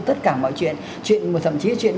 tất cả mọi chuyện chuyện thậm chí chuyện